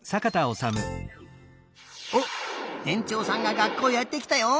おっねんちょうさんが学校へやってきたよ！